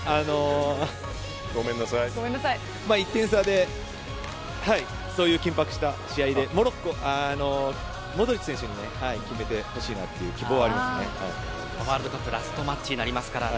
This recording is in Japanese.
１点差でそういう緊迫した試合でモドリッチ選手に決めてほしいなというワールドカップラストマッチになりますからね。